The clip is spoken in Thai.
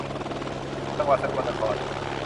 จังหวัดสกลนคร